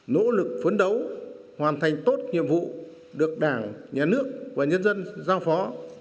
nỗ lực phấn đấu hoàn thành tốt nhiệm vụ được đảng nhà nước và nhân dân giao phó